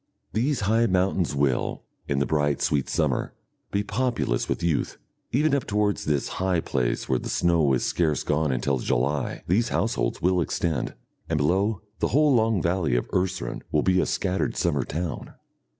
These high mountains will, in the bright sweet summer, be populous with youth. Even up towards this high place where the snow is scarce gone until July, these households will extend, and below, the whole long valley of Urseren will be a scattered summer town.